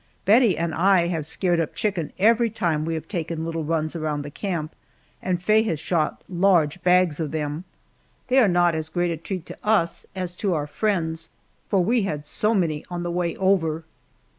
Bettie and I have scared up chicken every time we have taken little runs around the camp, and Faye has shot large bags of them. They are not as great a treat to us as to our friends, for we had so many on the way over.